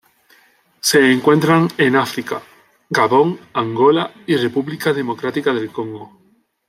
Se encuentran en África: Gabón, Angola y República Democrática del Congo.